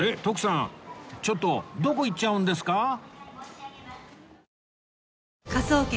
徳さんちょっとどこ行っちゃうんですか？